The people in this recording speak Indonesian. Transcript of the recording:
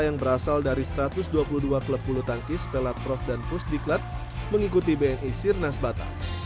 yang berasal dari satu ratus dua puluh dua klub bulu tangkis pelat prof dan pusdiklat mengikuti bni sirnas batam